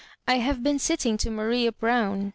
" I have been sitting to Maria Brown.